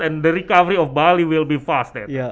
dan penyelamat dari bali akan lebih cepat